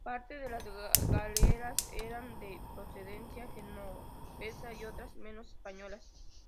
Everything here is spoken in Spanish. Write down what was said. Parte de las galeras eran de procedencia genovesa y otras, menos, españolas.